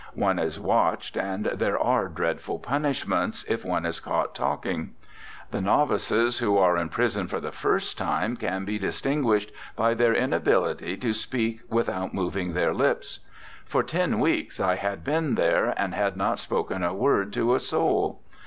One is watched, and there are dreadful punishments if one is caught talking. The novices, who are in prison for the first time, can be distinguished by their inability to speak without mov ing their lips. For ten weeks I had been there, and had not spoken a word to a soul.